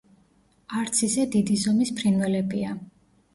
არც ისე დიდი ზომის ფრინველებია.